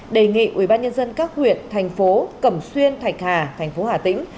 đề nghị ubnd các huyện thành phố cẩm xuyên thạch hà thành phố hà tĩnh